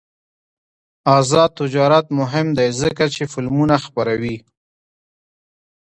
آزاد تجارت مهم دی ځکه چې فلمونه خپروي.